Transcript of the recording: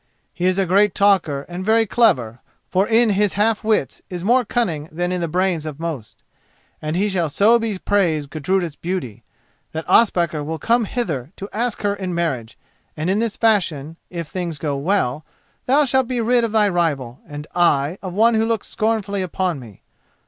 He is a great talker and very clever, for in his half wits is more cunning than in the brains of most; and he shall so bepraise Gudruda's beauty that Ospakar will come hither to ask her in marriage; and in this fashion, if things go well, thou shalt be rid of thy rival, and I of one who looks scornfully upon me.